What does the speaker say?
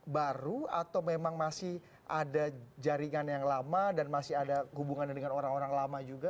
baru atau memang masih ada jaringan yang lama dan masih ada hubungannya dengan orang orang lama juga